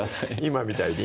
今みたいに？